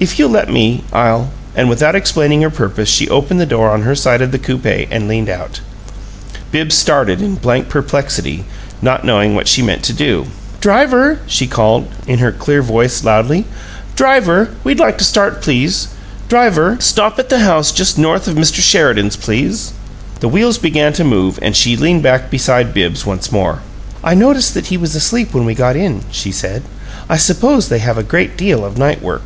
"If you'll let me, I'll " And without explaining her purpose she opened the door on her side of the coupe and leaned out. Bibbs started in blank perplexity, not knowing what she meant to do. "Driver!" she called, in her clear voice, loudly. "Driver! We'd like to start, please! Driver! Stop at the house just north of Mr. Sheridan's, please." The wheels began to move, and she leaned back beside Bibbs once more. "I noticed that he was asleep when we got in," she said. "I suppose they have a great deal of night work."